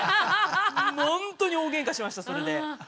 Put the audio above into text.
ほんとに大げんかしましたそれで。